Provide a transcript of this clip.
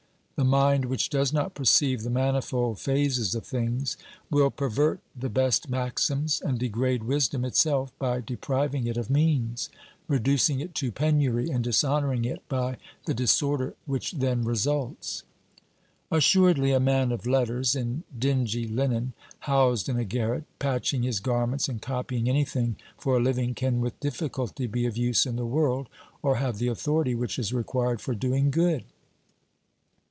The mind which does not perceive the manifold phases of things will pervert the best maxims and degrade wisdom itself by depriving it of means, reducing it to penury and dishonouring it by the disorder which then results. Assuredly a man of letters in dingy linen, housed in a garret, patching his garments and copying anything for a living, can with difficulty be of use in the world, or have the authority which is required for doing good.